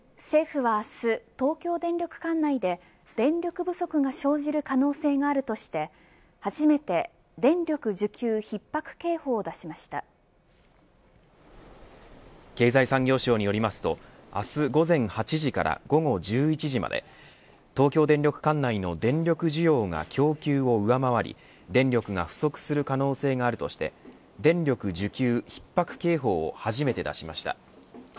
政府は明日、東京電力管内で電力不足が生じる可能性があるとして初めて、電力需給ひっ迫警報を出しました経済産業省によりますと明日午前８時から午後１１時まで東京電力管内の電力需要が供給を上回り、電力が不足する可能性があるとして電力需給ひっ迫警報を初めて出しました。